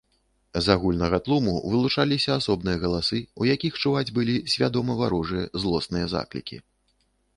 З агульнага тлуму вылучаліся асобныя галасы, у якіх чуваць былі свядома варожыя злосныя заклікі.